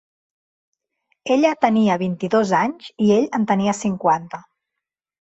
Ella tenia vint-i-dos anys i ell en tenia cinquanta.